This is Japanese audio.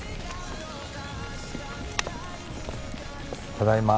ただいま。